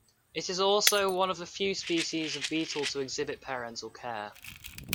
It is also one of the few species of beetle to exhibit parental care.